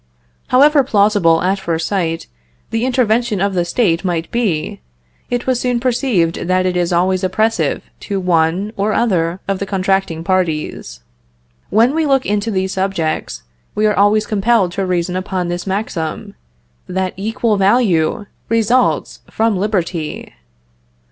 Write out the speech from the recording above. However plausible, at first sight, the intervention of the State might be, it was soon perceived that it is always oppressive to one or other of the contracting parties. When we look into these subjects, we are always compelled to reason upon this maxim, that equal value results from liberty.